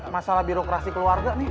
masalah birokrasi keluarga nih